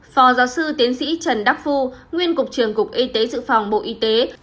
phò giáo sư tiến sĩ trần đắc phu nguyên cục trường cục y tế dự phòng bộ y tế